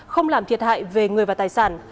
không làm thiệt hại về người và tài sản